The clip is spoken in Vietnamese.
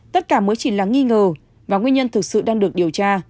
tất cả mới chỉ là nghi ngờ và nguyên nhân thực sự đang được điều tra